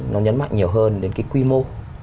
nó nhấn mạnh nhiều hơn đến cái quy mô